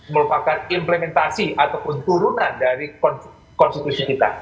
merupakan implementasi ataupun turunan dari konstitusi kita